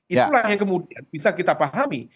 itulah yang kemudian bisa kita pahami